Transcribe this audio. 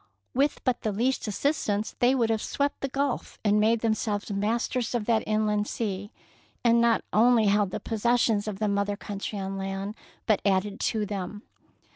With but the least assistance they would have swept the Grulf and made themselves masters of that inland sea, and not only held the possessions of 190 THE PEARL NECKLACE the mother country on land, but added to them.